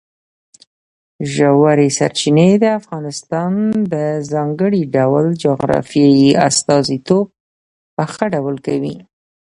ژورې سرچینې د افغانستان د ځانګړي ډول جغرافیې استازیتوب په ښه ډول کوي.